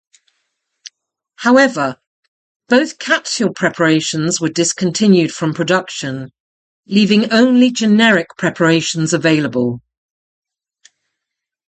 However, both capsule preparations were discontinued from production, leaving only generic preparations available.